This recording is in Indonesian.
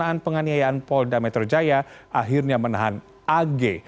pemeriksaan penganiayaan polda metro jaya akhirnya menahan ag